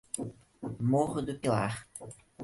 Morro do Pilar